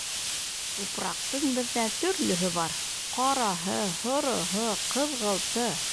Тупраҡтың беҙҙә төрлөһө бар: ҡараһы, һороһо, ҡыҙғылты.